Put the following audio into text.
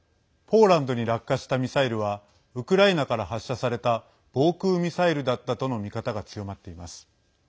ポーランドに落下したミサイルはウクライナから発射された防空ミサイルだったとの見方が強まっています。